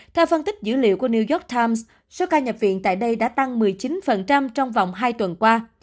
theo phân tích dữ liệu của new york times số ca nhập viện tại đây đã tăng một mươi chín trong vòng hai tuần qua